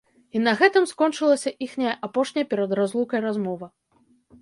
І на гэтым скончылася іхняя апошняя перад разлукай размова.